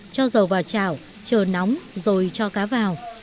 cho dầu vào chảo chờ nóng rồi cho cá vào